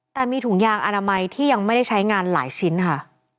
แต่มีถุงยางอนามัยที่ยังไม่ได้ใช้งานหลายชิ้นค่ะ